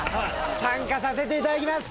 参加させていただきます